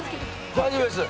大丈夫です。